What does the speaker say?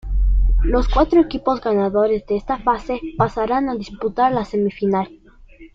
Los cuatro equipos ganadores de esta fase pasarán a disputar la semifinal.